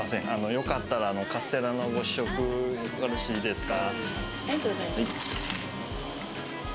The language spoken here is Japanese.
よかったら、カステラのご試食、よろしいですか。